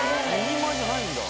２人前じゃないんだ。